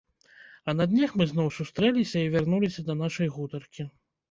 А на днях мы зноў сустрэліся і вярнуліся да нашай гутаркі.